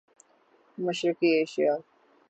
مشرقی ایشیا